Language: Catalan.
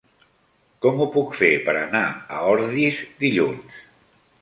Com ho puc fer per anar a Ordis dilluns?